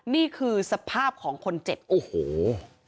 นี่คือสภาพของคนเจ็บโอ้โห